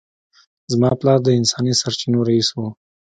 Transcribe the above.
زما پلار د انساني سرچینو رییس و